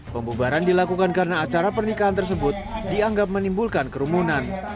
pembubaran dilakukan karena acara pernikahan tersebut dianggap menimbulkan kerumunan